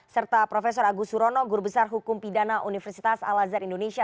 serta prof agus surono guru besar hukum pidana universitas al azhar indonesia